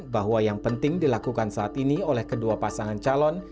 bahwa yang penting dilakukan saat ini oleh kedua pasangan calon